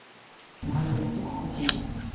مان ايو لفظ ڪون چين